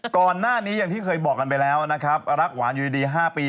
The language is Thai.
ก่อนหน้านี้อย่างที่เคยบอกกันไปแล้วนะครับรักหวานอยู่ดี๕ปี